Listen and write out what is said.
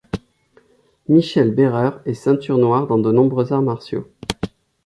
Michel Berreur est ceinture noire dans de nombreux arts martiaux.